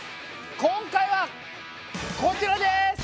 今回はこちらです！